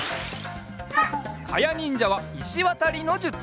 かやにんじゃはいしわたりのじゅつ。